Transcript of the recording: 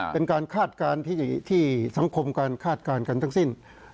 เป็นการคาดการณ์ที่สังคมการคาดการณ์กันทั้งสิ้น